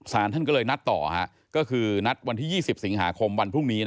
สารท่านก็เลยนัดต่อก็คือนัดวันที่๒๐สิงหาคมวันพรุ่งนี้